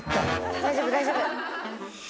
大丈夫大丈夫。